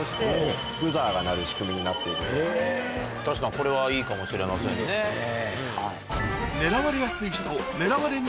確かにこれはいいかもしれませんね。